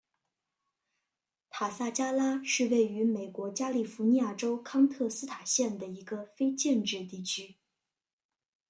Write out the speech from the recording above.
塔萨加拉是位于美国加利福尼亚州康特拉科斯塔县的一个非建制地区。